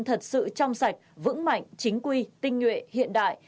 thật sự trong sạch vững mạnh chính quy tinh nguyện hiện đại